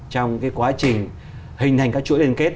trong quá trình hình thành các chuỗi liên kết